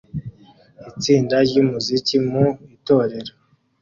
Itsinda ry'umuziki mu itorero